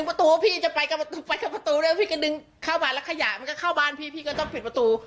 บอกพี่เก็บอะไรได้เก็บ